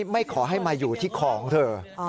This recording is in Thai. ไม่ขอให้มาอยู่ที่คอของเธอ